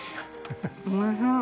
おいしい。